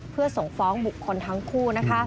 เพื่อส่งฟ้องบุคคลทั้งคู่